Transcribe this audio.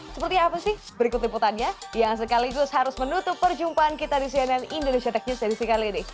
seperti apa sih berikut liputannya yang sekaligus harus menutup perjumpaan kita di cnn indonesia tech news edisi kali ini